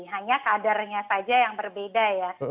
hanya kadernya saja yang berbeda ya